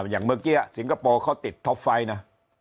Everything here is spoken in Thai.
อย่างเมื่อกี้สิงคโปร์เขาติดท็อปไฟต์นะ